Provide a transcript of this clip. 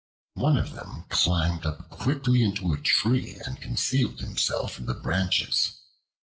One of them climbed up quickly into a tree and concealed himself in the branches.